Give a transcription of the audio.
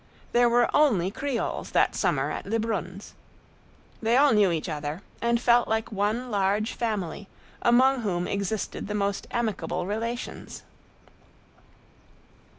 There were only Creoles that summer at Lebrun's. They all knew each other, and felt like one large family, among whom existed the most amicable relations.